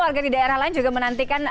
warga di daerah lain juga menantikan